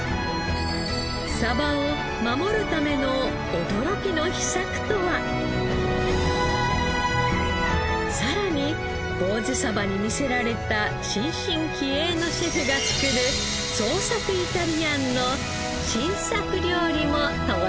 サバを守るためのさらにぼうぜに魅せられた新進気鋭のシェフが作る創作イタリアンの新作料理も登場します！